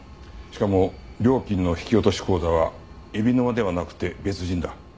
しかも料金の引き落とし口座は海老沼ではなくて別人だ。